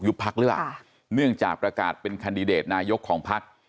พักหรือเปล่าเนื่องจากประกาศเป็นคันดิเดตนายกของพัก